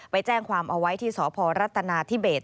ไปแจ้งความเอาไว้ที่สพรัฐนาธิเบส